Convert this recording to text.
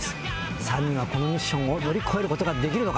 ３人はこのミッションを乗り越えることができるのか？